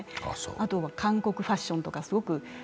あと韓国ファッションとかすごく。